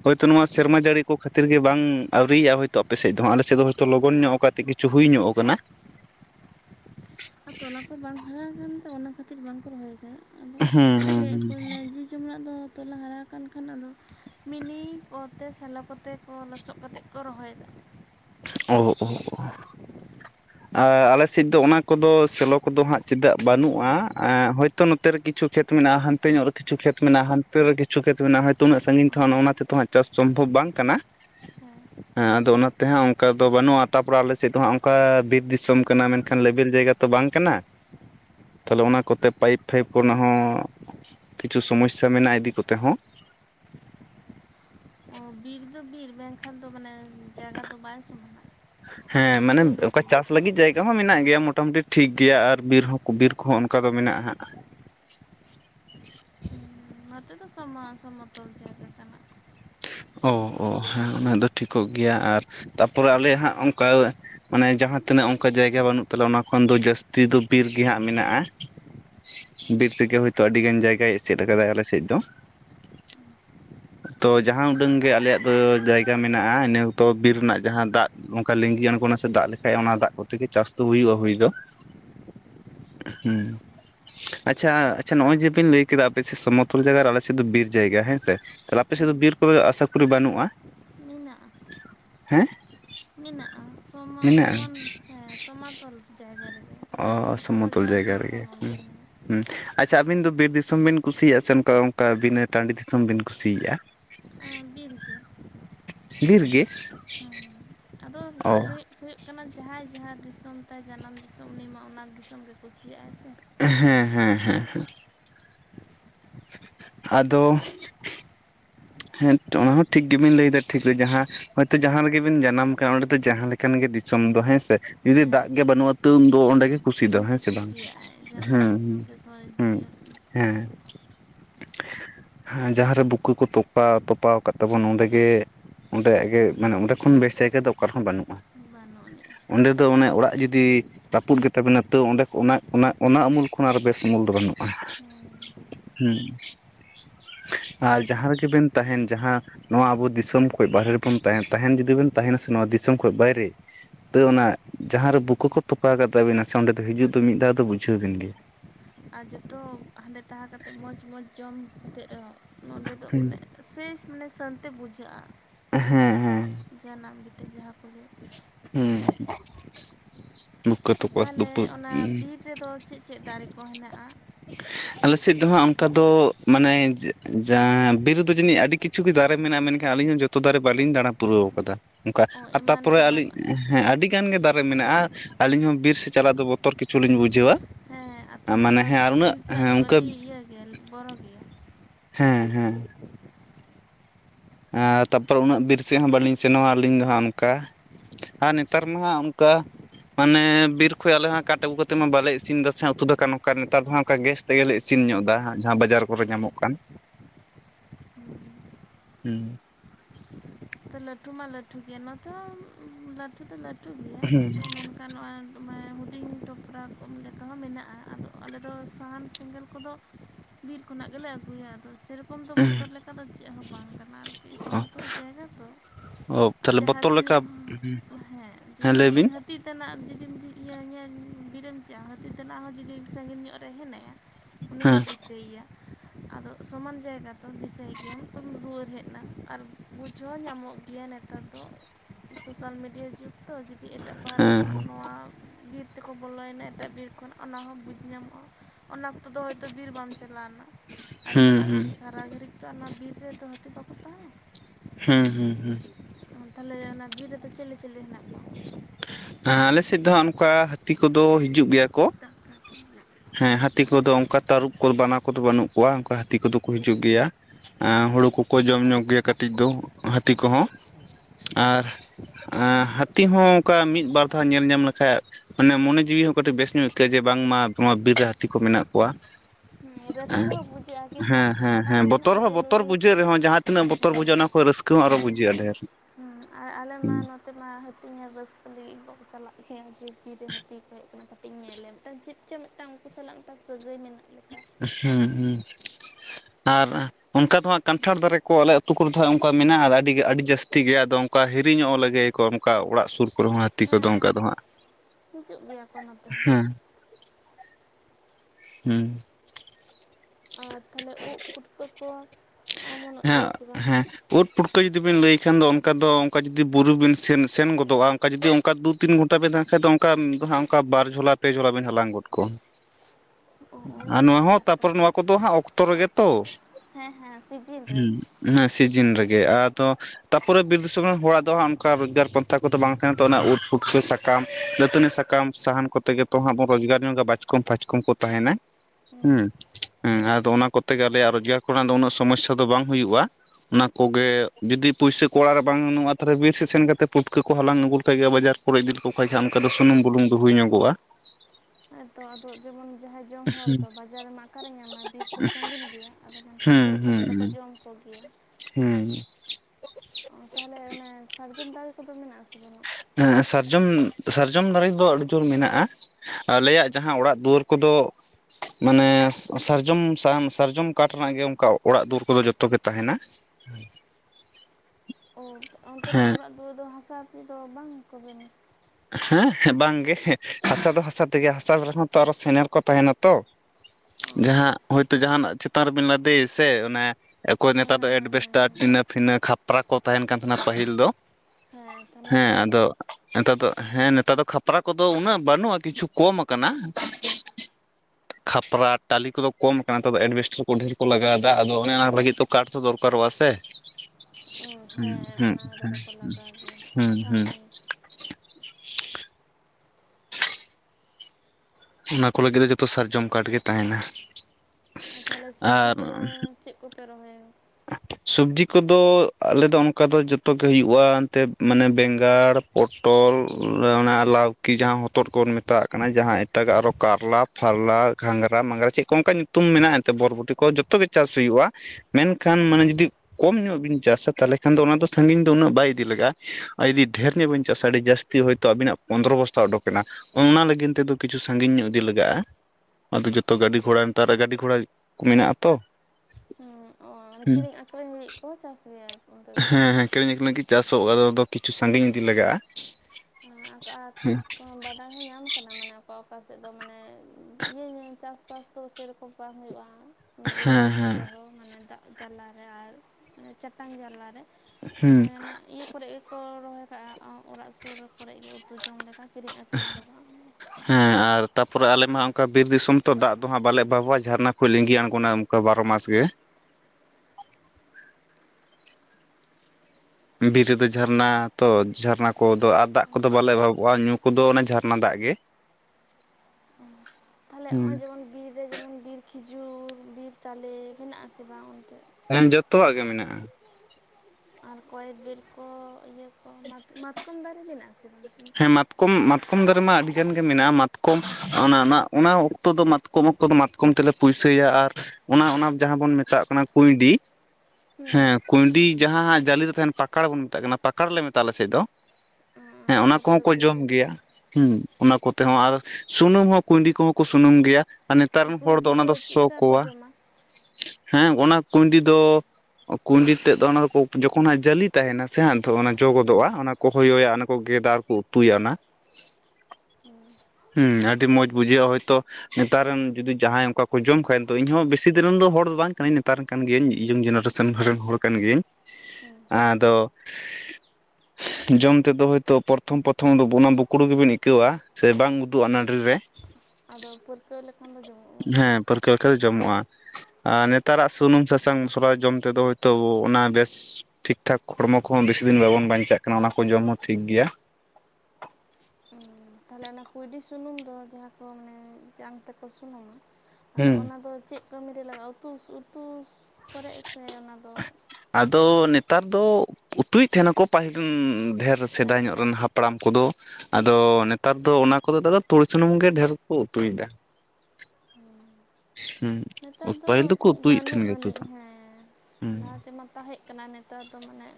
ᱦᱚᱭᱛᱳ ᱱᱚᱣᱟ ᱥᱮᱨᱢᱟ ᱡᱟᱹᱲᱤ ᱠᱚ ᱠᱷᱟᱹᱛᱤᱨ ᱜᱮ ᱵᱟᱝ ᱟᱹᱣᱨᱤ ᱭᱟᱜᱼᱟ, ᱦᱚᱭᱛᱳ ᱟᱯᱮ ᱥᱮᱜ ᱫᱚᱦᱟᱸᱜ! ᱟᱞᱮ ᱥᱮᱜ ᱫᱚ ᱦᱳᱭᱛᱳ ᱞᱚᱜᱚᱱ ᱧᱚᱜ ᱟᱠᱟ ᱛᱮ ᱠᱤᱪᱷᱩ ᱦᱩᱭ ᱧᱚᱜ ᱟᱠᱟᱱᱟ᱾ ᱟ ᱛᱚᱞᱟ ᱠᱚ ᱵᱟᱝ ᱦᱟᱨᱟ ᱠᱟᱱ ᱛᱮ, ᱚᱱᱟ ᱠᱷᱟᱹᱛᱤᱨ ᱵᱟᱝᱠᱚ ᱨᱚᱦᱚᱭ ᱠᱟᱫᱟ! ᱟᱫᱚ ᱦᱩᱸ ᱦᱩᱸ ᱡᱮ ᱦᱩᱸ ᱯᱮᱱᱮ ᱡᱮ-ᱡᱮᱢᱚᱱᱟᱜ ᱫᱚ ᱛᱚᱞᱟ ᱦᱟᱨᱟ ᱟᱠᱟᱱ ᱠᱷᱟᱱ ᱟᱫᱚ ᱢᱤᱱᱤ ᱠᱚᱛᱮ, ᱥᱮᱞᱚ ᱠᱚᱛᱮ ᱠᱚ, ᱞᱚᱥᱚᱜ ᱠᱟᱛᱮᱜ ᱠᱚ ᱨᱚᱦᱚᱭᱮᱫᱟ᱾ ᱳ-ᱳ-ᱳ᱾ ᱟ ᱟᱞᱮ ᱥᱮᱡ ᱫᱚ, ᱚᱱᱟ ᱠᱚᱫᱚ, ᱥᱮᱞᱚ ᱠᱚᱫᱚ, ᱦᱟᱸᱜ ᱪᱮᱫᱟᱜ ᱵᱟᱹᱱᱩᱜᱼᱟ, ᱦᱚᱭ ᱛᱚ ᱱᱚᱛᱮᱨᱮ ᱠᱤᱷᱩ ᱠᱷᱮᱛ ᱢᱮᱱᱟᱜᱼᱟ, ᱦᱟᱱᱛᱮ ᱧᱚᱜ ᱨᱮ ᱠᱤᱪᱷᱩ ᱠᱷᱮᱛ ᱢᱮᱱᱟᱜᱼᱟ, ᱦᱟᱱᱛᱮ ᱨᱮ ᱠᱤᱪᱷᱩ ᱠᱷᱮᱛ ᱢᱮᱱᱟᱜᱼᱟ, ᱦᱳᱭᱛᱚ ᱩᱱᱟᱹᱜ ᱥᱟᱺᱜᱤᱱ ᱚ ᱛᱮᱦᱚᱸ ᱱᱚᱜᱼᱚ ᱱᱟ ᱛᱮᱛᱚᱦᱟᱸᱜ ᱪᱟᱥ ᱥᱚᱢᱵᱷᱚᱵᱽ ᱵᱟᱝ ᱠᱟᱱᱟ᱾ ᱦᱮᱸ ᱮᱸ ᱟᱫᱚ ᱚᱱᱟᱛᱮᱦᱟᱸᱜ ᱚᱝ- -ᱠᱟ ᱫᱚ ᱵᱟᱱᱩᱜᱼᱟ᱾ ᱛᱟᱯᱚᱨᱮ ᱟᱞᱮ ᱥᱮᱫ ᱫᱚ ᱦᱟᱸᱜ ᱚᱝᱠᱟ ᱵᱤᱨ ᱫᱤᱥᱚᱢ ᱠᱟᱱᱟ, ᱢᱮᱱᱠᱷᱟᱱ ᱞᱮᱵᱮᱞ ᱡᱟᱭᱜᱟ ᱛᱚ ᱵᱟᱝ ᱠᱟᱱᱟ᱾ ᱛᱟᱞᱮ ᱚᱱᱟ ᱠᱚᱛᱮ ᱯᱟᱭᱤᱯ-ᱯᱷᱟᱭᱤᱯ ᱠᱚᱨᱮ ᱱᱟᱜ ᱦᱚᱸ ᱠᱤᱪᱷᱩ ᱥᱚᱢᱚᱥᱥᱟ ᱢᱮᱱᱟᱜᱼᱟ, ᱤᱫᱤ ᱠᱚᱛᱮ ᱦᱚᱸ! ᱚ ᱵᱤᱨ ᱫᱚ, ᱵᱤᱨ ᱢᱮᱝᱠᱷᱟᱱ ᱫᱚ ᱢᱟᱱᱮ ᱡᱟᱭᱜᱟ ᱫᱚ ᱵᱟᱭ ᱥᱚᱢᱟᱱᱟ, ᱩᱪᱩ ᱰᱷᱟᱹᱞᱩ ᱜᱮᱭᱟ! ᱞᱟᱹᱜᱤᱜ ᱡᱟᱭᱜᱟ ᱦᱚᱸ ᱢᱮᱱᱟᱜ ᱜᱮᱭᱟ, ᱢᱳᱴᱟᱢᱩᱴᱤ ᱴᱷᱤᱠ ᱜᱮᱭᱟ ᱟᱨ ᱵᱤᱨ ᱦᱚᱸ, ᱵᱤᱨ ᱠᱚᱦᱚᱸ ᱚᱱᱠᱟ ᱫᱚ ᱢᱮᱱᱟᱜᱼᱟ ᱦᱟᱸᱜ᱾ ᱦᱩᱸ, ᱱᱚᱛᱮ ᱫᱚ ᱥᱚᱢᱟ, ᱥᱚᱢᱚᱛᱚᱞ ᱡᱟᱭᱜᱟ ᱠᱟᱱᱟ᱾ ᱚ-ᱚ, ᱦᱮᱸ ᱚᱱᱟ ᱫᱚ ᱴᱷᱤᱠᱚᱜ ᱜᱮᱭᱟ ᱟᱨ ᱛᱟᱯᱚᱨᱮ ᱟᱞᱮᱭᱟᱜ ᱦᱟᱸᱜ ᱚᱝᱠᱟ ᱢᱟᱱᱮ ᱡᱟᱦᱟᱸ ᱛᱤᱱᱟᱹᱜ ᱚᱝᱠᱟ ᱡᱟᱭᱜᱟ ᱵᱟᱹᱱᱩᱜ ᱛᱟᱞᱮ, ᱚᱱᱟ ᱠᱷᱚᱱ ᱫᱚ, ᱡᱟᱹᱥᱛᱤ ᱫᱚ ᱵᱤᱨ ᱜᱮᱦᱟᱸᱜ ᱢᱮᱱᱟᱜᱼᱟ᱾ ᱵᱤᱨ ᱛᱮᱜᱮ ᱦᱳᱭᱛᱳ, ᱟᱹᱰᱤ ᱜᱟᱱ ᱡᱟᱭᱜᱟᱭ ᱮᱥᱮᱫ ᱟᱠᱟᱫᱟᱭ ᱟᱞᱮᱥᱮᱫ ᱫᱚ! ᱛᱚ ᱡᱟᱦᱟᱸ ᱩᱰᱟᱹᱝ ᱜᱮ ᱟᱞᱮᱭᱟᱜ ᱫᱚ ᱡᱟᱭᱜᱟ ᱢᱮᱱᱟᱜᱼᱟ, ᱤᱱᱟᱹ ᱠᱚᱛᱚ ᱵᱤᱨ ᱨᱮᱱᱟᱜ ᱡᱟᱦᱟᱸ ᱫᱟᱜ ᱚᱝᱠᱟ ᱞᱤᱸᱜᱤ ᱟᱬᱜᱚᱱᱟ ᱥᱮ ᱫᱟᱜ ᱞᱮᱠᱷᱟᱡ, ᱚᱱᱟ ᱫᱟᱜ ᱠᱚᱛᱮ ᱜᱮᱹ ᱪᱟᱥ ᱫᱚ ᱦᱩᱭᱩᱜᱼᱟ, ᱦᱩᱭ ᱫᱚ᱾ [inaudible] [unintelligible] ᱟᱪᱪᱷᱟ ᱟᱪᱪᱷᱟ ᱱᱚ-ᱜᱚᱭ ᱡᱮᱵᱤᱱ ᱞᱟᱹᱭ ᱠᱮᱫᱟ ᱟᱯᱮᱥᱮ ᱥᱚᱢᱚᱛᱚᱞ ᱡᱟᱭᱜᱟ ᱟᱨ ᱟᱞᱮᱥᱮᱫ ᱫᱚ ᱵᱤᱨ ᱡᱟᱭᱜᱟ ᱦᱮᱸ ᱥᱮ ᱟᱯᱮ ᱥᱮᱫ ᱫᱚ ᱦᱩᱸ, ᱵᱤᱨ ᱠᱚᱨᱮ ᱟᱥᱟ ᱠᱚᱨᱤ ᱵᱟᱹᱱᱩᱜ-ᱟ? ᱢᱮᱱᱟᱜᱼᱟ ᱦᱮᱸ ᱢᱮᱱᱟᱜᱼᱟ ᱥᱚᱢ ᱥᱚᱢᱟᱱ ᱢᱮᱱᱟᱜᱼᱟ ᱦᱮᱸ ᱥᱚᱢᱟᱛᱚᱞ ᱡᱟᱭᱜᱟ ᱨᱮ ᱚᱱᱟ ᱵᱤᱨ ᱠᱚᱦᱚᱸ ᱡᱟᱦᱟᱸ ᱵᱤᱨ ᱥᱚᱢᱟᱱ ᱜᱮ ᱾ ᱦᱮᱸ [unintelligible] ᱟᱪᱪᱷᱟ, ᱟᱹᱵᱤᱱ ᱫᱚ ᱵᱤᱨ ᱫᱤᱥᱚᱢ ᱵᱤᱱ ᱠᱩᱥᱤᱭᱟᱜ-ᱟ ᱥᱮ ᱚᱱᱠᱟ ᱚᱱᱠᱟ ᱵᱤᱱᱟᱹ ᱴᱟᱺᱰᱤ ᱫᱤᱥᱚᱢ ᱵᱤᱱ ᱠᱩᱥᱤᱭᱟᱜ-ᱟ? ᱟᱸ ᱵᱤᱨ ᱜᱮ ᱾ ᱵᱤᱨ ᱜᱮ? ᱟᱫᱚ ᱚ ᱞᱟᱹᱭ ᱦᱩᱭᱩᱜ ᱠᱟᱱᱟ ᱡᱟᱦᱟᱸᱭ ᱡᱟᱦᱟᱸ ᱫᱤᱥᱚᱢ ᱛᱟᱭ ᱡᱟᱱᱟᱢ ᱫᱤᱥᱚᱢ ᱩᱱᱤ ᱢᱟ ᱚᱱᱟ ᱫᱤᱥᱚᱢ ᱜᱮᱭ ᱠᱩᱥᱤᱭᱟᱜ-ᱟᱭ ᱥᱮ ᱾ ᱦᱮᱸ ᱦᱮᱸ ᱦᱮᱸ ᱦᱮᱸ ᱾ ᱟᱫᱚ ᱦᱮᱸᱴ ᱚᱱᱟ ᱦᱚᱸ ᱴᱷᱤᱠ ᱜᱮᱵᱤᱱ ᱞᱟᱹᱭᱫᱟ ᱴᱷᱤᱠ ᱫᱚ ᱡᱟᱦᱟᱸ ᱦᱚᱭᱛᱚ ᱡᱟᱦᱟᱸ ᱨᱮᱜᱮ ᱵᱤᱱ ᱡᱟᱱᱟᱢ ᱠᱟᱱᱟ ᱚᱸᱰᱮ ᱫᱚ ᱡᱟᱦᱟᱸ ᱞᱮᱠᱟᱱ ᱜᱮ ᱫᱤᱥᱚᱢ ᱫᱚ ᱦᱮᱸ ᱥᱮ ᱡᱩᱫᱤ ᱦᱮᱸ ᱫᱟᱜ ᱜᱮ ᱵᱟᱹᱱᱩᱜ-ᱟ [unintelligible] ᱩᱱ ᱫᱚ ᱚᱸᱰᱮ ᱜᱮ ᱠᱩᱥᱤ ᱫᱚ ᱩᱱᱤ ᱦᱮᱸ ᱫᱚᱭ ᱥᱮ ᱵᱟᱝ, ᱠᱩᱥᱤᱭᱟᱜᱼᱟᱭ ᱡᱟᱱᱟᱢ ᱦᱢ ᱫᱤᱥᱚᱢ ᱜᱮ ᱥᱚᱦᱚᱡ ᱦᱢ ᱦᱢ ᱡᱤᱭᱚᱱ ᱦᱮᱸ ᱫᱤᱥᱚᱢ ᱾ ᱡᱟᱦᱟᱸᱨᱮ ᱵᱩᱠᱟᱹ ᱠᱚ ᱠᱩ ᱛᱳᱯ ᱯᱟ ᱛᱚᱯᱟᱣ ᱟᱠᱟᱫ ᱛᱟᱵᱚᱱ ᱚᱸᱰᱮ ᱜᱮ ᱚᱸᱰᱮᱭᱟᱜ ᱜᱮ ᱢᱟᱱᱮ ᱚᱸᱰᱮ ᱠᱷᱚᱱ ᱵᱮᱥ ᱡᱟᱭᱜᱟ ᱫᱚ ᱚᱠᱟ ᱨᱮᱦᱚᱸ ᱵᱟᱹᱱᱩᱜ-ᱟ᱾ ᱵᱟᱱᱩᱜ ᱟᱹᱱᱤᱡ ᱾ ᱛᱳ ᱚᱱᱮ ᱚᱲᱟᱜ ᱡᱩᱫᱤ ᱨᱟᱹᱯᱩᱫ ᱜᱮᱛᱟᱵᱮᱱᱟ ᱛᱚ ᱚᱸᱰᱮ ᱚᱱᱟ ᱚᱱᱟ ᱚᱱᱟ ᱩᱢᱩᱞ ᱠᱷᱚᱱ ᱟᱜ ᱟᱨ ᱵᱮᱥ ᱩᱢᱩᱞ ᱫᱚ ᱵᱟᱹᱱᱩᱜ-ᱟ᱾ ᱦᱮᱸ ᱦᱮᱸ ᱟᱨ ᱡᱟᱦᱟᱸ ᱨᱮᱜᱮ ᱵᱮᱱ ᱛᱟᱦᱮᱸᱱ ᱡᱟᱦᱟᱸ ᱱᱚᱣᱟ ᱟᱵᱚ ᱫᱤᱥᱚᱢ ᱠᱷᱚᱡ ᱵᱟᱦᱨᱮ ᱨᱮᱵᱚᱱ ᱛᱟᱦᱮ ᱛᱟᱦᱮᱱ ᱡᱩᱫᱤ ᱵᱚᱱ ᱛᱟᱦᱮᱸᱱᱟ ᱥᱮ ᱱᱚᱣᱟ ᱫᱤᱥᱚᱢ ᱠᱷᱚᱱ ᱵᱟᱭᱨᱮ ᱛᱟᱹᱣ ᱚᱱᱟ ᱡᱟᱦᱟᱸᱨᱮ ᱵᱩᱠᱟᱹ ᱠᱚ ᱛᱚᱯᱟᱣ ᱠᱟᱜ ᱛᱟᱵᱤᱱᱟ ᱥᱮ ᱚᱸᱰᱮ ᱫᱚ ᱦᱤᱡᱩᱜ ᱫᱚ ᱢᱤᱫ ᱫᱷᱟᱣ ᱫᱚ ᱵᱩᱡᱷᱟᱹᱣ ᱵᱤᱱ ᱜᱮ ᱾ ᱟᱨ ᱡᱚᱛᱚ ᱦᱟᱸᱰᱮ ᱛᱟᱦᱮᱸ ᱠᱟᱛᱮᱜ ᱢᱚᱸᱡᱽ ᱢᱚᱸᱡᱽ ᱡᱚᱢᱛᱮ ᱨᱮᱦᱚᱸ ᱱᱚᱸᱰᱮ ᱫᱚ ᱦᱮᱸ ᱢᱟᱱᱮ ᱥᱮᱥ ᱢᱟᱱᱮ ᱥᱟᱱᱛᱤ ᱵᱩᱡᱷᱟᱹᱜ-ᱟ ᱾ ᱦᱮᱸ ᱦᱮᱸ᱾ ᱡᱟᱦᱟᱱᱟᱜ ᱵᱷᱤᱴᱟᱹ ᱡᱟᱦᱟᱸ ᱠᱚᱜᱮ ᱾ ᱦᱮᱸ ᱵᱩᱠᱟᱹ ᱛᱚᱯᱟ ᱫᱩᱯᱟᱹ ᱚᱱᱛᱮ ᱫᱚ ᱪᱮᱫ ᱪᱮᱫ ᱫᱟᱨᱮ ᱠᱚ ᱦᱮᱱᱟᱜ-ᱟ? ᱟᱞᱮ ᱥᱮᱫ ᱫᱚ ᱦᱟᱸᱜ ᱚᱱᱠᱟ ᱫᱚ ᱢᱟᱱᱮ ᱡᱟᱦᱟᱸ ᱵᱤᱨ ᱨᱮᱫᱚ ᱡᱟᱹᱱᱤᱡ ᱟᱹᱰᱤ ᱠᱤᱪᱷᱩ ᱜᱮ ᱫᱟᱨᱮ ᱢᱮᱱᱟᱜ-ᱟ, ᱢᱮᱱᱠᱷᱟᱱ ᱟᱹᱞᱤᱧ ᱦᱚᱸ ᱡᱚᱛᱚ ᱛᱚ ᱫᱟᱨᱮ ᱵᱟᱹᱞᱤᱧ ᱫᱟᱬᱟ ᱯᱩᱨᱟᱹᱣ ᱟᱠᱟᱫᱟ ᱾ᱚᱱᱠᱟ ᱚ ᱟᱨ ᱮᱢᱟᱱ ᱛᱟᱯᱚᱨᱮ ᱛᱮᱢᱟᱱ ᱟᱹᱞᱤᱧ ᱦᱮᱸ ᱟᱹᱰᱤ ᱟᱹᱰᱤ ᱜᱟᱱ ᱜᱮ ᱫᱟᱨᱮ ᱢᱮᱱᱟᱜ-ᱟ, ᱟᱹᱞᱤᱧ ᱦᱚᱸ ᱵᱤᱨ ᱥᱮᱫ ᱪᱟᱞᱟᱜ ᱫᱚ ᱵᱚᱛᱚᱨ ᱠᱤᱪᱷᱩ ᱞᱤᱧ ᱵᱩᱡᱷᱟᱹᱣᱟ᱾ ᱦᱮᱸ ᱦᱮᱸ ᱟᱨ ᱛᱟᱦᱚᱞᱮ ᱢᱟᱱᱮ ᱚᱱᱟ ᱦᱮᱸ ᱟᱨ ᱩᱱᱟᱹᱜ ᱵᱤᱨᱴᱟᱜ ᱦᱮᱸ ᱫᱚ ᱚᱱᱠᱟ ᱟᱹᱰᱤ ᱤᱭᱟᱹ ᱜᱮ ᱵᱚᱨᱚ ᱜᱮᱭᱟ? ᱦᱮᱸ ᱦᱮᱸ᱾ ᱟᱨ ᱛᱟᱨᱯᱚᱨᱮ ᱩᱱᱟᱹᱜ ᱵᱤᱨ ᱥᱮᱫ ᱦᱚᱸ ᱵᱟᱹᱞᱤᱧ ᱥᱮᱱᱚᱜ-ᱟ ᱟᱹᱞᱤᱧ ᱫᱚ ᱦᱟᱸᱜ ᱚᱱᱠᱟ, ᱟᱨ ᱱᱮᱛᱟᱨ ᱢᱟ ᱚᱱᱠᱟ ᱢᱟᱱᱮ ᱵᱤᱨ ᱠᱷᱚᱡ ᱦᱚᱸ ᱟᱞᱮᱜ ᱠᱟᱴ ᱟᱹᱜᱩ ᱠᱟᱛᱮ ᱢᱟ ᱵᱟᱞᱮ ᱤᱥᱤᱱ ᱫᱟ ᱥᱮ ᱩᱛᱩ ᱫᱟᱠᱟ ᱱᱚᱝᱠᱟ ᱱᱮᱛᱟᱨ ᱫᱚ ᱦᱟᱸᱜ ᱚᱱᱟ ᱜᱮᱥ ᱛᱮᱜᱮᱞᱮ ᱤᱥᱤᱱ ᱧᱚᱜ ᱫᱟ ᱡᱟᱦᱟᱸ ᱵᱟᱡᱟᱨ ᱠᱚᱨᱮ ᱧᱟᱢᱚᱜ ᱠᱟᱱ᱾ ᱦᱢ ᱾ ᱛᱚ ᱞᱟᱹᱴᱷᱩ ᱢᱟ ᱞᱟᱹᱴᱷᱩ ᱜᱮᱭᱟ ᱱᱚᱛᱮ ᱦᱚᱸ ᱞᱟᱹᱴᱷᱩ ᱫᱚ ᱞᱟᱹᱴᱷᱩ ᱜᱮᱭᱟ᱾ ᱦᱢ᱾ ᱟᱫᱚ ᱢᱮᱱ ᱜᱟᱱᱚᱜ-ᱟ ᱫᱚᱢᱮ ᱦᱩᱰᱤᱧ ᱴᱚᱯᱨᱟ ᱠᱚ ᱞᱮᱠᱟ ᱦᱚᱸ ᱢᱮᱱᱟᱜ-ᱟ, ᱟᱫᱚ ᱟᱞᱮ ᱫᱚ ᱥᱟᱦᱟᱱ ᱥᱮᱸᱜᱮᱞ ᱠᱚᱫᱚ ᱵᱤᱨ ᱠᱷᱚᱱᱟᱜ ᱜᱮᱞᱮ ᱟᱹᱜᱩᱭᱟ ᱟᱫᱚ ᱥᱮᱨᱚᱠ ᱩᱱᱫᱚ ᱵᱚᱛᱚᱨ ᱞᱮᱠᱟ ᱫᱚ ᱪᱮᱫ ᱦᱚᱸ ᱵᱟᱝ ᱠᱟᱱᱟ ᱟᱨᱠᱤ ᱚ ᱥᱚᱢᱚᱛᱚᱞ ᱡᱟᱭᱜᱟ, ᱛᱚ ᱚ ᱛᱟᱦᱚᱞᱮ ᱡᱟᱦᱟᱸ ᱵᱚᱛᱚᱞ ᱞᱮᱠᱟ ᱛᱤᱱᱟᱹᱜ ᱦᱮᱸ ᱡᱮ ᱦᱮᱸ ᱞᱟᱹᱭ ᱡᱩᱫᱤ, ᱵᱤᱱ ᱦᱟᱹᱛᱤ ᱛᱟᱱᱟᱜ ᱡᱩᱫᱤᱢ ᱤᱭᱟᱹ ᱧᱮᱞ ᱵᱤᱨᱮᱢ ᱪᱟᱜ-ᱟ ᱦᱟᱹᱛᱤ ᱛᱟᱱᱟᱜ ᱦᱚᱸ ᱡᱩᱫᱤ ᱥᱟᱺᱜᱤᱧᱚᱜ ᱨᱮ ᱦᱮᱱᱟᱭᱟ, ᱩᱱᱤ ᱦᱸᱚᱢ ᱦᱮᱸ ᱫᱤᱥᱟᱹᱭ- ᱭᱟ᱾ ᱟᱫᱚ ᱥᱚᱢᱟᱱ ᱡᱟᱭᱜᱟ ᱛᱚ ᱫᱤᱥᱟᱹᱭ ᱜᱮᱭᱟᱢ ᱛᱚ ᱨᱩᱣᱟᱹᱨ ᱦᱮᱜ ᱱᱟ ᱟᱨ, ᱡᱚ ᱧᱟᱢᱚᱜ ᱜᱮᱭᱟ ᱱᱮᱛᱟᱨ ᱫᱚ ᱥᱳᱥᱟᱞ ᱢᱤᱰᱤᱭᱟ ᱡᱩᱜᱽ, ᱛᱚ ᱡᱩᱫᱤ ᱮᱴᱟᱜ ᱯᱟᱦᱟᱴᱟ ᱦᱮᱸ ᱠᱷᱚᱱᱟᱜ ᱦᱩᱸ ᱱᱚᱣᱟ ᱵᱤᱨ, ᱛᱮᱠᱚ ᱵᱚᱞᱚᱭᱮᱱᱟ ᱮᱴᱟᱜ ᱵᱤᱨ ᱠᱷᱚᱱ ᱚᱱᱟ ᱦᱚᱸ ᱵᱩᱡᱽ ᱧᱟᱢᱚᱜᱼᱟ ᱚᱱᱟ ᱚᱠᱛᱚ ᱫᱚ ᱦᱚᱭᱛᱚ ᱵᱤᱨ ᱵᱟᱢ ᱪᱟᱞᱟᱣᱱᱟ᱾ ᱟᱨ ᱦᱩᱸ ᱥᱟᱨᱟ ᱥᱟᱨᱟ ᱜᱷᱟᱹᱲᱤᱜ ᱫᱚ ᱚᱱᱟ ᱵᱤᱨ ᱨᱮ ᱫᱚ ᱦᱟᱹᱛᱤ ᱵᱟᱠᱚ ᱛᱟᱦᱮᱸᱱᱟ, ᱦᱩᱸ ᱦᱩᱸ ᱦᱩᱸ᱾ ᱛᱟᱦᱚᱞᱮ ᱚᱱᱟ ᱵᱤᱨ ᱨᱮᱫᱚ ᱪᱤᱞᱤ ᱪᱤᱞᱤ ᱦᱮᱱᱟᱜ ᱠᱚᱣᱟ? ᱦᱮᱸ ᱟᱞᱮ ᱥᱮᱫ ᱫᱚ ᱦᱟᱸᱜ ᱱᱚᱝᱠᱟ ᱦᱟᱹᱛᱤ ᱠᱚᱫᱚ ᱦᱤᱡᱩᱜ ᱜᱮᱭᱟ ᱠᱚ᱾ [unintelligible] ᱦᱮᱸ ᱦᱟᱹᱛᱤ ᱠᱟᱱᱟ ᱠᱚᱫᱚ ᱚᱱᱠᱟ ᱛᱟᱹᱨᱩᱵ ᱠᱚ ᱵᱟᱱᱟ ᱠᱚᱫᱚ ᱵᱟᱹᱱᱩᱜ ᱠᱚᱣᱟ ᱚᱱᱠᱟ ᱦᱟᱹᱛᱤ ᱠᱚᱫᱚ ᱠᱚ ᱦᱤᱡᱩᱜ ᱜᱮᱭᱟ᱾ ᱟᱸ ᱦᱩᱲᱩ ᱠᱚᱠᱚ ᱡᱚᱢ ᱧᱚᱜ ᱜᱮᱭᱟ ᱠᱟᱹᱴᱤᱜ ᱫᱚ ᱦᱟᱹᱛᱤ ᱠᱚᱦᱚᱸ, ᱟᱨ ᱮᱸ ᱦᱟᱹᱛᱤ ᱦᱚᱸ ᱚᱱᱠᱟ ᱢᱤᱫ ᱵᱟᱨ ᱫᱷᱟᱣ ᱧᱮᱞ ᱧᱟᱢ ᱞᱮᱠᱷᱟᱭ, ᱢᱟᱱᱮ ᱢᱚᱱᱮ ᱡᱤᱣᱤ ᱦᱚᱸ ᱠᱟᱹᱴᱤᱜ ᱵᱮᱥ ᱧᱚᱜ ᱟᱹᱭᱠᱟᱹᱜᱼᱟ ᱡᱮ ᱵᱟᱝᱢᱟ ᱱᱚᱣᱟ ᱵᱤᱨ ᱦᱟᱹᱛᱤ ᱠᱚ ᱢᱮᱱᱟᱜ ᱠᱚᱣᱟ᱾ ᱦᱮᱸ ᱨᱟᱹᱥᱠᱟᱹ ᱦᱚᱸ ᱵᱩᱡᱷᱟᱹᱜᱼᱟ ᱠᱤᱱᱛᱩ ᱦᱮᱸ ᱦᱮᱸ ᱵᱟᱰᱟᱭ ᱦᱮᱸ ᱵᱚᱛᱚᱨ ᱢᱮᱱᱟᱜᱼᱟ ᱦᱚᱸ ᱡᱮ ᱵᱚᱛᱚᱨ ᱱᱩᱭ ᱵᱩᱡᱷᱟᱹᱜ ᱨᱮᱦᱚᱸ ᱡᱟᱦᱟᱸ, ᱛᱤᱱᱟᱹᱜ ᱵᱚᱛᱚᱨ ᱵᱩᱡᱷᱟᱹᱜ ᱦᱮᱸ ᱚᱱᱟ ᱠᱷᱚᱭ ᱨᱟᱹᱥᱠᱟᱹ ᱦᱚᱸ ᱟᱨᱚ ᱵᱩᱡᱷᱟᱹᱜᱼᱟ ᱰᱷᱮᱨ᱾ ᱦᱮᱸ ᱟᱨ ᱟᱞᱮ ᱢᱟ ᱱᱚᱛᱮ ᱢᱟ ᱦᱟᱹᱛᱤᱧ ᱧᱮᱞ ᱵᱟᱹᱥᱠᱟᱹ ᱞᱟᱹᱜᱤᱫ ᱵᱟᱠᱚ ᱪᱟᱞᱟᱜ ᱜᱮᱭᱟ ᱡᱮ ᱛᱤᱨᱮ ᱦᱟᱹᱛᱤ ᱠᱚ ᱦᱮᱜ ᱟᱠᱟᱱᱟ, ᱢᱤᱫ ᱤᱧ ᱧᱮᱞᱮ ᱢᱤᱫᱴᱟᱝ ᱪᱮᱫ ᱪᱚᱝ ᱢᱤᱫᱴᱟᱝ ᱩᱱᱠᱩ ᱥᱟᱞᱟᱜ ᱢᱤᱫᱴᱟᱝ ᱥᱟᱹᱜᱟᱹᱭ ᱢᱮᱱᱟᱜ, ᱞᱮᱠᱟ ᱦᱩᱸ ᱦᱩᱸ ᱟᱨ, ᱚᱱᱠᱟ ᱫᱚ ᱦᱟᱸᱜ ᱠᱟᱱᱴᱷᱟᱲ ᱫᱟᱨᱮ ᱠᱚ ᱟᱞᱮ ᱟᱹᱛᱩ ᱠᱚᱨᱮ ᱫᱚ ᱦᱟᱸᱜ ᱚᱱᱠᱟ ᱢᱮᱱᱟᱜᱼᱟ ᱟᱹᱰᱤ ᱟᱹᱰᱤ ᱡᱟᱹᱥᱛᱤ ᱜᱮᱭᱟ ᱟᱫᱚ, ᱚᱠᱟ ᱦᱤᱨᱤᱧᱚᱜ ᱞᱮᱜᱮᱭᱟᱠᱚ ᱚᱱᱠᱟ ᱚᱲᱟᱜ ᱥᱩᱨ ᱠᱚᱨᱮ ᱦᱚᱸ ᱦᱟᱹᱛᱤ ᱠᱚᱫᱚ ᱦᱮᱸ ᱚᱱᱠᱟ ᱫᱚ ᱦᱟᱸᱜ᱾ ᱦᱤᱡᱩᱜ ᱜᱮᱭᱟ ᱠᱚ ᱱᱚᱛᱮ ᱦᱚᱸ᱾ ᱦᱮᱸ ᱦᱩᱸ ᱟᱨ ᱛᱟᱦᱞᱮ ᱩᱫ ᱯᱷᱩᱴᱠᱟᱹ ᱠᱚ, ᱚᱢᱚᱱᱚᱜ ᱦᱮᱸ ᱜᱮᱭᱟ ᱥᱮ ᱵᱟᱝ ᱦᱮᱸ᱾ ᱩᱫ ᱯᱩᱴᱠᱟᱹ ᱡᱩᱫᱤᱵᱤᱱ ᱞᱟᱹᱭ ᱠᱷᱟᱱ ᱫᱚ ᱚᱱᱠᱟ ᱫᱚ ᱚᱱᱠᱟ ᱡᱩᱫᱤ ᱵᱩᱨᱩ ᱵᱤᱱ ᱥᱮᱱ ᱥᱮᱱ ᱜᱚᱫᱚᱜᱼᱟ ᱚᱱᱠᱟ ᱡᱩᱫᱤ, ᱚᱱᱠᱟ ᱫᱩ ᱛᱤᱱ ᱜᱷᱚᱱᱴᱟ ᱵᱮᱱ ᱛᱟᱦᱮᱸᱱ ᱠᱷᱟᱱ ᱫᱚ ᱚᱱᱠᱟ ᱫᱚ ᱦᱟᱸᱜ ᱠᱟ ᱵᱟᱨ ᱡᱷᱚᱞᱟ ᱯᱮ ᱡᱷᱚᱞᱟ ᱵᱮᱱ ᱦᱟᱞᱟᱝ ᱜᱚᱫ ᱠᱚᱣᱟ᱾ [inaudible] ᱟᱨ ᱚᱢᱚᱱᱚᱜ ᱱᱚᱣᱟ ᱦᱚᱸ ᱜᱮᱭᱟ ᱠᱚ ᱛᱟᱨᱯᱚᱨᱮ ᱱᱚᱣᱟ ᱠᱚᱫᱚ ᱦᱟᱸᱜ ᱚᱠᱛᱚ ᱨᱮᱜᱮ ᱛᱚ, ᱦᱮᱸ ᱦᱮᱸ ᱥᱤᱡᱤᱱ ᱨᱮ᱾ ᱦᱮᱸ ᱥᱤᱡᱮᱱ ᱨᱮᱜᱮ ᱟᱫᱚ, ᱛᱟᱨᱯᱚᱨᱮ ᱵᱤᱨ ᱫᱤᱥᱚᱢ ᱨᱮᱱ ᱦᱚᱲᱟᱜ ᱫᱚ ᱦᱟᱸᱜ ᱚᱱᱠᱟ ᱨᱳᱡᱽᱜᱟᱨ ᱯᱚᱱᱛᱷᱟ ᱠᱚᱫᱚ ᱵᱟᱝ ᱛᱟᱦᱮᱸᱱᱟ ᱛᱚ ᱚᱱᱟ ᱩᱫ ᱯᱩᱴᱠᱟᱹ ᱥᱟᱠᱟᱢ ᱫᱟᱹᱛᱟᱹᱱᱤ ᱥᱟᱠ, ᱠᱟᱢ ᱥᱟᱦᱟᱱ ᱠᱚᱛᱮ ᱜᱮ ᱛᱚ ᱦᱟᱸᱜ ᱵᱚᱱ ᱨᱚᱡᱽᱜᱟᱨ ᱧᱚᱜᱟ ᱵᱟᱪᱠᱚᱢ ᱯᱷᱟᱪᱠᱚᱢ ᱠᱚ ᱛᱟᱦᱮᱸᱱᱟ᱾ ᱦᱮᱸ ᱦᱮᱸ ᱟᱫᱚ ᱚᱱᱟ ᱠᱚᱛᱮ ᱜᱮ ᱟᱞᱮᱭᱟᱜ ᱨᱳᱡᱽᱜᱟᱨ ᱠᱚᱨᱮᱱᱟᱜ ᱫᱚ ᱩᱱᱟᱹᱜ ᱥᱚᱢᱚᱭᱥᱟ ᱫᱚ ᱵᱟᱝ ᱦᱩᱭᱩᱜᱼᱟ᱾ ᱚᱱᱟ ᱠᱚᱜᱮ ᱡᱩᱫᱤ ᱯᱩᱭᱥᱟᱹ ᱠᱚ ᱚᱲᱟᱜ ᱨᱮ ᱵᱟᱝ ᱵᱟᱱᱚᱜᱼᱟ ᱛᱟᱦᱚᱞᱮ ᱵᱤᱨ ᱥᱮᱫ ᱥᱮᱱ ᱠᱟᱛᱮ ᱯᱩᱴᱠᱟᱹ ᱠᱚ ᱦᱟᱞᱟᱝ ᱟᱹᱜᱩ ᱠᱟᱜ ᱜᱮ ᱵᱟᱡᱟᱨ, ᱠᱚᱨᱮ ᱤᱫᱤ ᱞᱮᱠᱚ ᱠᱷᱟᱭ ᱦᱟᱸᱜ ᱚᱱᱠᱟ ᱫᱚ ᱥᱩᱱᱩᱢ ᱵᱩᱞᱩᱝ ᱫᱚ ᱦᱩᱭ ᱧᱚᱜᱚᱜᱼᱟ᱾ [inaudible] ᱦᱮᱸ ᱛᱚ ᱟᱫᱚ ᱡᱮᱢᱚᱱ ᱡᱟᱦᱟᱸᱭ ᱡᱚᱢ ᱦᱚᱲ ᱫᱚ ᱵᱟᱡᱟᱨ ᱨᱮᱢᱟ ᱚᱠᱟᱨᱮ ᱧᱟᱢᱟ ᱵᱤᱨ ᱛᱮ ᱥᱟᱺᱜᱤᱧ ᱜᱮᱭᱟ ᱟᱫᱚ ᱮᱱᱠᱷᱟᱱ ᱠᱤᱨᱤᱧ ᱠᱟᱛᱮᱫ ᱫᱚ, ᱠᱚ ᱡᱚᱢ ᱠᱚᱜᱮᱭᱟ᱾ ᱦᱮᱸ ᱦᱮᱸ ᱚ ᱛᱟᱦᱚᱞᱮ ᱚᱱᱮ ᱥᱟᱨᱡᱚᱢ ᱫᱟᱨᱮ ᱠᱚᱫᱚ ᱢᱮᱱᱟᱜᱼᱟᱥᱮ ᱵᱟᱹᱱᱩᱜ? ᱦᱮᱸ ᱥᱟᱨᱡᱚᱢ ᱥᱟᱨᱡᱚᱢ ᱫᱟᱨᱮ ᱫᱚ ᱟᱹᱰᱤ ᱡᱳᱨ ᱢᱮᱱᱟᱜᱼᱟ᱾ ᱟᱞᱮᱭᱟᱜ ᱡᱟᱸᱦᱟ ᱚᱲᱟᱜ ᱫᱩᱣᱟᱹᱨ ᱠᱚᱫᱚ᱾ ᱢᱟᱱᱮ ᱥᱟᱨᱡᱚᱢ ᱥᱟᱦᱟᱱ ᱥᱟᱨᱡᱚᱢ ᱠᱟᱴ ᱨᱮᱱᱟᱜ ᱜᱮ ᱚᱱᱠᱟ ᱚᱲᱟᱜ ᱫᱩᱣᱟᱹᱨ ᱠᱚᱫᱚ ᱡᱚᱛᱚ ᱜᱮ ᱛᱟᱦᱮᱸᱱᱟ᱾ [unintelligible] ᱚ ᱚᱱᱛᱮᱱᱟᱜ ᱦᱮᱸ ᱚᱲᱟᱜ ᱫᱩᱣᱟᱹᱨ ᱫᱚ ᱦᱟᱥᱟ ᱛᱮ ᱫᱚ ᱵᱟᱝᱠᱚ ᱵᱮᱼᱼ ᱦᱮᱸ ᱵᱟᱝᱜᱮ ᱦᱟᱥᱟ ᱫᱚ ᱦᱟᱥᱟ ᱛᱮᱜᱮ ᱦᱟᱥᱟ ᱨᱮᱦᱚᱸ ᱛᱚ ᱟᱨᱚ ᱥᱮᱱᱮᱨ ᱠᱚ ᱛᱟᱸᱦᱮᱱᱟ ᱛᱚ᱾ ᱚ ᱡᱟᱸᱦᱟ ᱦᱳᱭᱛᱳ ᱡᱟᱸᱦᱟᱱᱟᱜ ᱪᱮᱛᱟᱱ ᱨᱮᱵᱤᱱ ᱞᱟᱫᱮᱭ ᱥᱮ ᱚᱱᱮ᱾ ᱚᱠᱚᱭ ᱦᱮᱸ ᱱᱮᱛᱟᱨ ᱫᱚ ᱦᱮᱸ ᱦᱮᱸ ᱮᱰᱵᱮᱥᱴᱟᱨ ᱦᱮᱸ ᱴᱤᱱᱟᱹ ᱯᱷᱤᱱᱟᱹ ᱠᱷᱟᱯᱨᱟ ᱠᱚ ᱛᱟᱦᱮᱸᱱ ᱠᱟᱱ ᱛᱟᱦᱮᱸᱱᱟ ᱯᱟᱹᱦᱤᱞ ᱫᱚ᱾ ᱦᱮᱸ ᱛᱚ ᱦᱮᱸ ᱱᱮᱛᱟᱨ ᱫᱚ ᱟᱫᱚ ᱱᱮᱛᱟᱨ ᱫᱚ᱾ ᱦᱮᱸ ᱱᱮᱛᱟᱨ ᱫᱚ ᱠᱷᱟᱯᱨᱟ ᱠᱚᱫᱚ ᱩᱱᱟᱹᱜ ᱵᱟᱹᱱᱩᱜᱼᱟ ᱠᱤᱪᱷᱩ ᱠᱚᱢ ᱠᱟᱱᱟ᱾ [unintelligible] ᱠᱷᱟᱯᱨᱟ ᱴᱟᱹᱞᱤ ᱠᱚᱫᱚ ᱠᱚᱢ ᱠᱟᱱᱟ ᱱᱮᱛᱟᱨ ᱫᱚ ᱮᱰᱵᱮᱥᱴᱟᱨ ᱠᱚ ᱰᱷᱮᱨ ᱠᱚ ᱞᱟᱜᱟᱣᱮᱫᱟ ᱟᱫᱚ ᱚᱱᱮ ᱚᱱᱟ ᱞᱟᱹᱜᱤᱫ ᱫᱚ ᱠᱟᱴ ᱫᱚ ᱫᱚᱨᱠᱟᱨᱚᱜᱼᱟ ᱥᱮ᱾ ᱩᱸ ᱦᱩᱸ ᱦᱮᱸ ᱦᱩᱸ ᱚᱱᱟ ᱨᱮᱫᱚ ᱠᱚ ᱞᱟᱜᱟᱣ ᱜᱮᱭᱟ ᱦᱩᱸ ᱦᱩᱸ ᱪᱷᱟᱢ᱾ [unintelligible] ᱚᱱᱟ ᱠᱚ ᱞᱟᱹᱜᱤᱫ ᱫᱚ ᱡᱚᱛᱚ ᱥᱟᱨᱡᱚᱢ ᱠᱟᱴ ᱜᱮ ᱛᱟᱦᱮᱱᱟ᱾ ᱛᱟᱦᱚᱞᱮ ᱥᱚᱵᱽᱡᱤ ᱟᱨ ᱠᱚᱫᱚ ᱪᱮᱫ ᱠᱚᱯᱮ ᱨᱚᱦᱚᱭᱟ᱾ ᱥᱚᱵᱽᱡᱤ ᱠᱚᱫᱚ ᱟᱞᱮ ᱚᱱᱠᱟ ᱫᱚ ᱡᱚᱛᱚᱜᱮ ᱦᱩᱭᱩᱜᱼᱟ ᱮᱱᱛᱮᱫ ᱢᱟᱱᱮ ᱵᱮᱸᱜᱟᱲ᱾ ᱯᱚᱴᱚᱞ ᱚᱱᱟ ᱞᱟᱹᱣᱠᱤ ᱡᱟᱦᱟᱸ ᱦᱚᱛᱚᱫ ᱠᱚᱵᱚᱱ ᱢᱮᱛᱟᱜ ᱠᱟᱱᱟ ᱡᱟᱦᱟᱸ ᱮᱴᱟᱜ ᱟᱨᱚ ᱠᱟᱨᱞᱟ᱾ ᱯᱷᱟᱞᱞᱟ ᱜᱷᱟᱸᱜᱽᱨᱟ ᱢᱟᱝᱜᱽᱨᱟ ᱪᱮᱫ ᱠᱚ ᱚᱱᱠᱟ ᱧᱩᱛᱩᱢ ᱢᱮᱱᱟᱜᱼᱟ ᱮᱱ ᱵᱚᱨᱵᱚᱴᱤ ᱠᱚ ᱡᱚᱛᱚ ᱜᱮ ᱪᱟᱥ ᱦᱩᱭᱩᱜᱼᱟ ᱢᱮᱱᱼᱼ ᱠᱷᱟᱱ ᱦᱮᱸ ᱢᱟᱱᱮ ᱡᱩᱫᱤ᱾ ᱠᱚᱢ ᱧᱚᱜ ᱵᱤᱱ ᱪᱟᱥᱼᱟ ᱛᱟᱦᱚᱞᱮ ᱠᱷᱟᱱ ᱫᱚ ᱚᱱᱟ ᱫᱚ ᱥᱟᱺᱜᱤᱧ ᱫᱚ ᱩᱱᱟᱹᱜ ᱵᱟᱭ ᱤᱫᱤ ᱞᱟᱜᱼᱟ ᱡᱩᱫ ᱰᱷᱮᱨ ᱧᱚᱜ ᱵᱤᱱ ᱪᱟᱥᱼᱟ ᱟᱹᱰᱤ ᱡᱟᱹᱥᱛᱤ᱾ ᱠᱤ ᱡᱳᱭᱛᱳ ᱟᱵᱤᱱᱟᱜ ᱯᱚᱸᱫᱽᱨᱚ ᱵᱚᱥᱛᱟ ᱚᱰᱚᱜ ᱚᱱᱟ ᱞᱟᱹᱜᱤᱫ ᱛᱮᱫᱚ ᱠᱤᱪᱷᱩ ᱥᱟᱺᱜᱤᱧ ᱧᱚᱜ ᱤᱫᱤ ᱞᱟᱜᱟᱜᱼᱟ᱾ ᱟᱫᱚ ᱡᱚᱛᱚ ᱜᱟᱹᱰᱤ ᱜᱷᱚᱲᱟ ᱱᱮᱛᱟᱨ ᱜᱟᱹᱰᱤ ᱜᱷᱚᱲᱟ ᱠᱚ ᱢᱮᱱᱟᱜᱼᱟ ᱛᱚ᱾ ᱚ ᱦᱩᱸ ᱠᱤᱨᱤᱧ ᱟᱠᱷᱨᱤᱧ ᱞᱟᱹᱜᱤᱫ ᱠᱚ ᱪᱟᱥ ᱜᱮᱭᱟ᱾ ᱚᱱᱛᱮ ᱫᱚ ᱦᱮᱸ ᱦᱮᱸ ᱠᱤᱨᱤᱧ ᱟᱹᱠᱷᱨᱤᱧ ᱜᱮ ᱪᱟᱥᱚᱜᱼᱟ ᱫᱚ ᱠᱤᱪᱷᱩ ᱥᱟᱺᱜᱤᱧ ᱤᱫᱤ ᱞᱟᱜᱟᱜᱼᱟ᱾ ᱚ ᱠ ᱵᱟᱰᱟᱭ ᱦᱚᱸ ᱧᱟᱢ ᱟᱠᱟᱱᱟ ᱢᱟᱱᱮ ᱚᱠᱟ ᱚᱠᱟ ᱥᱮᱫ ᱫᱚ ᱢᱟᱱᱮ ᱤᱭᱟᱹᱧ ᱪᱟᱥ᱾ ᱯᱟᱥ ᱫᱚ ᱥᱮᱨᱚᱠᱚᱢ ᱵᱟᱝ ᱦᱩᱭᱩᱜᱼᱟ ᱵᱩᱨᱩ ᱦᱮᱸ ᱫᱤᱥᱚᱢ ᱦᱮᱸ ᱨᱮᱦᱚᱸ᱾ ᱢᱟᱱᱮ ᱫᱟᱜ ᱡᱟᱞᱟᱮ ᱟᱨ ᱪᱟᱴᱟᱝ ᱡᱟᱞᱟᱮ ᱦᱩᱸ ᱢᱟᱱᱮ ᱤᱭᱟᱹ᱾ ᱠᱚᱨᱮ ᱜᱮᱠᱚ ᱨᱚᱦᱚᱭ ᱠᱟᱜᱼᱟ ᱚᱲᱟᱜ ᱥᱩᱨ ᱠᱚᱨᱮᱜ ᱩᱛᱩ ᱡᱚᱢ ᱞᱮᱠᱟ ᱠᱤᱨᱤᱧ ᱟᱹᱠᱷᱨᱤᱧ ᱫᱚ ᱵᱟᱝ᱾ ᱦᱮᱸ ᱟᱨ ᱛᱟᱯᱚᱨᱮ ᱟᱞᱮ ᱢᱟᱜ ᱚᱱᱠᱟ ᱵᱤᱨ ᱫᱤᱥᱚᱢ ᱛᱚ ᱫᱟᱜ ᱫᱚ ᱦᱟᱸᱜ ᱵᱟᱞᱮ ᱚᱵᱟᱵᱚᱜᱼᱟ ᱡᱷᱟᱨᱱᱟ ᱠᱷᱚᱱ ᱞᱤᱸᱜᱤ ᱟᱬᱜᱚᱱᱟ᱾ ᱚᱱᱠᱟ ᱵᱟᱨᱚ ᱢᱟᱥ ᱜᱮ᱾ ᱵᱤᱨ ᱨᱮᱫᱚ ᱡᱷᱟᱨᱱᱟ ᱛᱚ ᱡᱷᱟᱨᱱᱟ ᱠᱚᱫᱚ ᱟᱨ ᱫᱟᱜ ᱠᱚᱫᱚ ᱵᱟᱞᱮ ᱚᱵᱷᱟᱵᱚᱜᱼᱟ ᱧᱩ ᱠᱚᱫᱚ ᱚᱱᱮ ᱡᱷᱟᱨᱱᱟ ᱫᱟᱜ ᱜᱮ᱾ [unintelligible] ᱱᱚᱜᱼᱚᱭ ᱡᱮᱢᱚᱱ ᱵᱤᱨ ᱨᱮ ᱡᱮᱢᱚᱱ ᱵᱤᱨ ᱠᱷᱤᱡᱩᱨ ᱵᱤᱨ ᱛᱟᱞᱮ ᱢᱮᱱᱟᱜ ᱟᱥᱮ ᱵᱟᱝ ᱚᱱᱛᱮ᱾ ᱦᱮᱸ ᱡᱚᱛᱚᱣᱟᱜ ᱜᱮ ᱢᱮᱱᱟᱜᱼᱟ᱾ ᱟᱨ ᱠᱚᱭᱮᱠ ᱵᱤᱨ ᱠᱚ ᱤᱭᱟᱹ ᱠᱚ ᱢᱟᱛᱠᱚᱢ ᱫᱟᱨᱮ ᱢᱮᱱᱟᱜ ᱟᱥᱮ ᱵᱟᱝ ᱚᱱᱛᱮ᱾ ᱦᱮᱸ ᱢᱟᱛᱠᱚᱢ ᱢᱟᱛᱠᱚᱢ ᱫᱟᱨᱮ ᱢᱟ ᱟᱹᱰᱤ ᱜᱟᱱ ᱜᱮ ᱢᱮᱱᱟᱜᱼᱟ ᱢᱟᱛᱠᱚᱢ ᱚᱱᱟ ᱚᱱᱟ ᱚᱱᱟ ᱚᱠᱛᱚ ᱫᱚ ᱢᱟᱛᱚᱢ᱾ ᱠᱚᱢ ᱚᱠᱛᱚᱢ ᱚᱠᱛᱚ ᱫᱚ ᱢᱟᱛᱠᱚᱢ ᱛᱮᱞᱮ ᱯᱩᱭᱥᱟᱹᱭᱟ ᱟᱨ ᱚᱱᱟ ᱚᱱᱟ ᱡᱟᱦᱟᱸ ᱵᱚᱱ ᱢᱮᱛᱟᱜ ᱠᱟᱱᱟ ᱠᱩᱸᱭᱰᱤ᱾ ᱦᱮᱸ ᱦᱩᱸ ᱠᱩᱸᱭᱰᱤ ᱡᱟᱦᱟᱸ ᱡᱟᱹᱟᱞᱮ ᱛᱟᱦᱮᱱ ᱯᱟᱠᱟᱲ ᱵᱚᱱ ᱢᱮᱛᱟᱜ ᱠᱟᱱᱟ ᱯᱟᱠᱟᱲ ᱞᱮ ᱢᱮᱛᱟᱜ ᱟᱞᱮᱥᱮᱫ ᱫᱚ᱾ ᱦᱮᱸ ᱚᱱᱟ ᱱᱚᱛᱮ ᱠᱚᱦᱚᱸ ᱫᱚ ᱠᱚ ᱡᱚᱢ ᱠᱩᱭᱰᱤ ᱜᱮᱭᱟ᱾ ᱦᱮᱸ ᱚᱱᱟ ᱠᱚᱛᱮ ᱦᱚᱸ ᱟᱨ ᱥᱩᱱᱩᱢ ᱦᱚᱸ ᱠᱩᱸᱭᱰᱤ ᱠᱚᱦᱚᱸ ᱠᱚ ᱥᱩᱱᱩᱢ ᱜᱮᱭᱟ᱾ ᱱᱮᱛᱟᱨ ᱟᱨ ᱨᱮᱱ ᱦᱚᱲ ᱫᱚ ᱠᱩᱭᱰᱤ ᱚᱱᱟ ᱫᱚ ᱥᱚ ᱪᱮᱫᱠᱟ ᱠᱚ ᱠᱚᱣᱟ ᱡᱚᱢᱟ? ᱦᱮᱸ ᱚᱱᱟ ᱠᱩᱸᱭᱰᱤ ᱫᱚ᱾ ᱠᱩᱸᱰᱤ ᱛᱮᱫ ᱫᱚ ᱚᱱᱟ ᱡᱚᱠᱷᱚᱱ ᱦᱟᱸᱜ ᱡᱟᱹᱞᱤ ᱛᱟᱦᱮᱱᱟ ᱥᱮ ᱚᱱᱟ ᱡᱚ ᱦᱩᱸ ᱜᱚᱫᱚᱜᱼᱟ ᱚᱱᱟ ᱠᱚ ᱦᱚᱭ ᱟᱭᱟ᱾ ᱠᱚ ᱜᱮᱫᱟ ᱟᱨ ᱠᱚ ᱩᱛᱩᱭᱟ ᱚᱱᱟ᱾ ᱦᱩᱸ ᱦᱮᱸ ᱟᱹᱰᱤ ᱢᱚᱸᱡᱽ ᱵᱩᱡᱷᱟᱹᱜᱼᱟ ᱦᱳᱭᱛᱚ᱾ ᱱᱮᱛᱟᱨ ᱨᱮᱱ ᱡᱩᱫᱤ ᱡᱟᱦᱟᱸᱭ ᱚᱱᱠᱟ ᱠᱚ ᱡᱚᱢ ᱠᱷᱟᱭ ᱫᱚ ᱤᱧᱦᱚᱸ ᱵᱮᱥᱤ ᱫᱤᱱ ᱨᱮᱱ ᱫᱚ ᱦᱚᱲ ᱫᱚ ᱵᱟᱝ ᱠᱟᱹᱱᱟᱹᱧ ᱱᱮᱛᱟᱨ ᱨᱮᱱ, ᱠᱟᱱ ᱜᱤᱭᱟᱹᱟᱹᱧ ᱤᱭᱩᱝ ᱡᱮᱱᱟᱨᱮᱥᱚᱱ ᱨᱮᱱ ᱦᱚᱲ ᱠᱟᱱ ᱜᱭᱤᱭᱟᱹᱧ ᱟᱫᱚ, ᱡᱚᱢᱛᱮ ᱫᱚᱦᱚᱭ, ᱛᱚ ᱯᱚᱨᱚᱛᱷᱚᱢ ᱯᱨᱚᱨᱚᱛᱷᱚᱢ ᱫᱚ ᱚᱱᱟ ᱵᱩᱠᱩᱲ ᱜᱮᱵᱤᱱ ᱟᱹᱭᱠᱟᱹᱣᱟ ᱥᱮ ᱵᱟᱝ ᱩᱫᱩᱜᱼᱟ ᱱᱟᱹᱰᱨᱤ ᱨᱮ, ᱟᱫᱚ ᱯᱟᱹᱨᱠᱟᱹᱣ ᱞᱮᱠᱷᱟᱱ ᱫᱚ ᱡᱚᱢᱚᱜ, ᱦᱮᱸ ᱯᱟᱹᱨᱠᱟᱹᱣ ᱞᱮᱠᱷᱟ ᱫᱚ ᱡᱚᱢᱚᱜᱼᱟ᱾ ᱟᱨ ᱱᱮᱛᱟᱨᱟᱜ ᱥᱩᱱᱩᱢ ᱥᱟᱥᱟᱝ ᱢᱚᱥᱚᱞᱟ ᱡᱚᱢ ᱛᱮᱫᱚ ᱦᱳᱭᱛᱳ ᱚᱱᱟ ᱵᱮᱥ, ᱴᱷᱤᱠ ᱴᱷᱟᱠ ᱦᱚᱲᱢᱚ ᱠᱚᱦᱚᱸ ᱵᱮᱥᱤ ᱫᱤᱱ ᱵᱟᱵᱚᱱ ᱵᱟᱧᱪᱟᱜ ᱠᱟᱱᱟ ᱚᱱᱟ ᱠᱚ ᱡᱚᱢ ᱦᱚᱸ ᱴᱷᱤᱠ ᱜᱮᱭᱟ᱾ ᱟ ᱛᱟᱦᱚᱞᱮ ᱚᱱᱟ ᱠᱩᱩᱭᱰᱤ ᱥᱩᱱᱩᱢ ᱫᱚ ᱡᱟᱦᱟᱸ ᱠᱚ ᱢᱟᱱᱮ ᱡᱟᱝ ᱛᱮᱠᱚ ᱥᱩᱱᱩᱢᱟ, ᱟᱫᱚ ᱦᱮᱸ ᱚᱱᱟᱫᱚ ᱪᱮᱫ ᱠᱟᱹᱢᱤ ᱨᱮ ᱞᱟᱜᱟᱜᱼᱟ ᱩᱛᱩ ᱩᱥᱩ ᱩᱛᱩ ᱠᱚᱨᱮ ᱥᱮ ᱚᱱᱟ ᱫᱚ, ᱟᱫᱚ ᱱᱮᱛᱟᱨ ᱫᱚ ᱩᱛᱩᱭᱮᱫ ᱛᱟᱦᱮᱱᱟᱠᱚ ᱯᱟᱹᱦᱤᱞ ᱰᱷᱮᱨ ᱥᱮᱫᱟᱭ ᱛᱟᱦᱮᱸ ᱧᱚᱜ ᱨᱮᱱ ᱦᱟᱯ, ᱯᱲᱟᱢ ᱠᱚᱫᱚ ᱟᱫᱚ ᱱᱮᱛᱟᱨ ᱫᱚ ᱚᱱᱟ ᱠᱚᱫᱚ ᱫᱟᱫᱚ ᱛᱩᱲ ᱥᱩᱱᱩᱢ ᱜᱮ ᱰᱷᱮᱨ ᱠᱚ ᱩᱛᱩᱭᱮᱫᱟ᱾ ᱦᱩᱸ ᱱᱮᱛᱟᱨ ᱫᱚ ᱵᱟᱹᱱᱩᱜ ᱟᱹᱱᱤᱜ ᱦᱮᱸ, ᱦᱮᱸ ᱞᱟᱦᱟ ᱛᱮᱢᱟ ᱛᱟᱦᱮᱸ ᱠᱟᱱᱟ ᱱᱮᱛᱟᱨ ᱫᱚ ᱢᱟᱱᱮ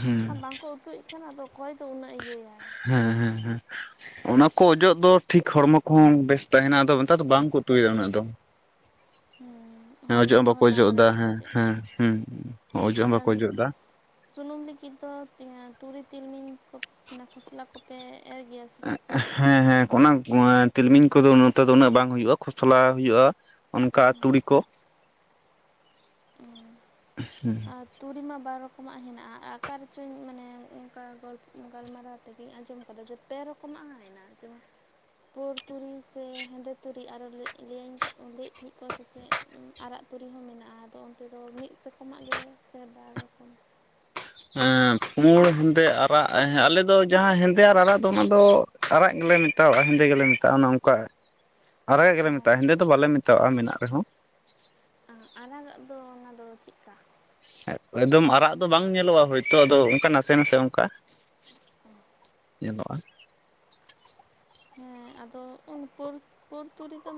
ᱦᱮᱸ ᱟᱨ ᱵᱟᱝᱠᱚ ᱩᱛᱩᱭᱮᱫ ᱠᱷᱟᱱ ᱟᱫᱚ, ᱚᱠᱚᱭ ᱫᱚ ᱩᱱᱟᱹᱜ ᱤᱭᱟᱹᱭᱟᱭ᱾ ᱦᱮᱸ ᱦᱮᱸ ᱦᱮᱸ᱾ ᱚᱱᱟ ᱠᱚ ᱚᱡᱚᱜ ᱫᱚ ᱴᱷᱤᱠ ᱦᱚᱲᱢᱚ ᱠᱚᱦᱚᱸ ᱵᱮᱥ ᱛᱟᱦᱮᱱᱟ ᱟᱫᱚ ᱱᱮᱛᱟᱨ ᱫᱚ ᱵᱟᱝᱠᱚ ᱩᱛᱩᱭᱮᱫᱟ ᱩᱱᱟᱹᱜ ᱫᱚ᱾ ᱦᱩᱸ, ᱦᱮᱸ ᱚᱡᱚᱜ ᱦᱚᱸ ᱵᱟᱠᱚ ᱚᱡᱚᱜ ᱮᱫᱟ ᱦᱮᱸ ᱦᱮᱸ ᱦᱮᱸ ᱚᱡᱚᱜ ᱦᱚᱸ ᱵᱟᱠᱚ ᱛᱟᱦᱚᱞᱮ ᱚᱡᱚᱜ ᱮᱫᱟ᱾ ᱥᱩᱱᱩᱢ ᱞᱟᱹᱜᱤᱫ ᱫᱚ ᱤᱭᱟᱹ ᱛᱩᱲᱤ ᱛᱤᱞᱢᱤᱧ ᱠᱚ ᱚᱱᱟ ᱠᱷᱚᱥᱞᱟ ᱠᱚᱯᱮ ᱮᱨ ᱜᱮᱭᱟ? ᱥᱮ ᱵᱟᱝ ᱦᱮᱸ ᱦᱮᱸ ᱚᱱᱟ ᱛᱤᱞᱢᱤᱧ ᱠᱚᱫᱚ ᱱᱚᱛᱮ ᱫᱚ ᱩᱱᱟᱹᱜ ᱵᱟᱝ ᱦᱩᱭᱩᱜᱼᱟ ᱠᱷᱚᱥᱞᱟ ᱦᱩᱭᱩᱜᱼᱟ᱾ ᱚᱱᱠᱟ ᱟᱨ ᱛᱩᱲᱤ ᱠᱚ, ᱦᱩᱸ, ᱟᱨ ᱛᱩᱨᱤ ᱢᱟ ᱵᱟᱨ ᱨᱚᱠᱚᱢᱟᱜ ᱦᱮᱱᱟᱜᱼᱟ ᱟᱠᱟ ᱨᱮᱪᱚ ᱢᱟᱱᱮ ᱚᱱᱠᱟ ᱜᱚᱞ ᱜᱟᱞᱢᱟᱨᱟᱣ ᱛᱮᱜᱮᱧ ᱟᱸᱡᱚᱢ ᱟᱠᱟᱫᱟ ᱡᱮ, ᱯᱮ ᱨᱚᱠᱚᱢᱟᱜ ᱦᱮᱱᱟᱼᱟ ᱡᱮᱢᱚᱱ, ᱯᱳᱨ ᱛᱩᱨᱤ ᱥᱮ ᱦᱮᱸᱫᱮ ᱛᱩᱨᱤ ᱟᱨᱚ ᱞᱟᱹᱭᱟᱧ ᱞᱟᱹᱭᱮᱫ ᱛᱟᱦᱮᱸᱫ ᱠᱚ ᱥᱮ ᱪᱮᱫ, ᱟᱨᱟᱜ ᱛᱩᱨᱤ ᱦᱚᱸ ᱢᱮᱱᱟᱜᱼᱟ ᱟᱫᱚ ᱚᱱᱛᱮ ᱫᱚ ᱢᱤᱫ ᱨᱚᱠᱚᱢᱟᱜ ᱜᱮ ᱥᱮ ᱵᱟᱨ ᱨᱚᱠᱚᱢ? ᱦᱮ ᱯᱩᱲ ᱦᱮᱸᱫᱮ ᱟᱨᱟᱜ ᱟᱞᱮ ᱫᱚ ᱡᱟᱦᱟᱸ ᱦᱮᱸᱫᱮ ᱟᱨ ᱟᱨᱟᱜ ᱫᱚ ᱚᱱᱟ ᱫᱚ, ᱟᱨᱟᱜ ᱜᱮᱞᱮ ᱢᱮᱛᱟᱜᱼᱟ ᱦᱮᱸᱫᱮ ᱜᱮᱞᱮ ᱢᱮᱛᱟᱜᱼᱟ ᱚᱱᱟ ᱱᱚᱝᱠᱟ ᱟᱨ᱾ [inaudible] ᱟᱨᱟᱜᱟᱜ ᱜᱮᱞᱮ ᱚ ᱢᱮᱛᱟᱜᱼᱟ ᱦᱮᱸᱫᱮ ᱫᱚ ᱵᱟᱞᱮ ᱢᱮᱛᱟᱜᱼᱟ ᱢᱮᱱᱟᱜ ᱨᱮᱦᱚᱸ᱾ ᱟᱨᱟᱜᱟᱜ ᱫᱚ ᱚᱱᱟ ᱫᱚ ᱪᱮᱜᱠᱟ? ᱮᱠᱫᱚᱢ ᱟᱨᱟᱜ ᱫᱚ ᱵᱟᱝ ᱧᱮᱞᱚᱜᱼᱟ ᱦᱳᱭᱛᱳ ᱟᱫᱚ ᱚᱱᱠᱟ ᱱᱟᱥᱮ ᱱᱟᱥᱮ ᱚᱱᱠᱟ᱾ ᱧᱮᱞᱚᱜᱼᱟ, ᱦᱮᱸ ᱟᱫᱚ ᱯᱩᱨ ᱯᱩᱨ ᱯᱩᱨ ᱛᱩᱨᱤ ᱫᱚ,